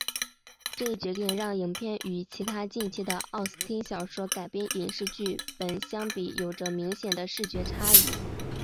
这一决定让影片与其他近期的奥斯汀小说改编影视剧本相比有着明显的视觉差异。